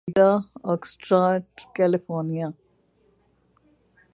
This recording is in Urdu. Miami Florida Oxnard California